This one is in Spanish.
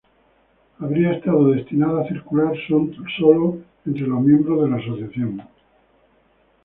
Habría estado destinada a circular sólo entre los miembros de la asociación.